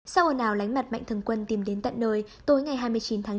sau ồn ào lánh mặt mạnh thường quân tìm đến tận nơi tối ngày hai mươi chín tháng chín